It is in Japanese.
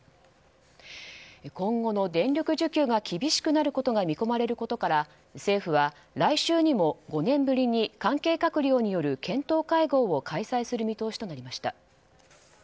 今後の電力需給が厳しくなることが見込まれることから政府は、来週にも５年ぶりに関係閣僚による検討会合を開催する見通しとなりました。